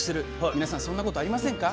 皆さんそんなことありませんか？